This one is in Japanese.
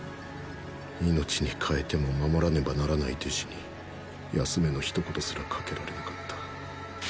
命に替えても守らねばならない弟子に休めの一言すら掛けられなかった。